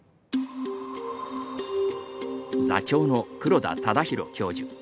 座長の黒田忠広教授。